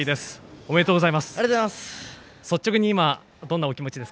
おめでとうございます。